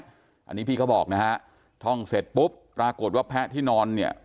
อันนี้พี่เขาบอกนะฮะท่องเสร็จปุ๊บปรากฏว่าแพะที่นอนเนี่ย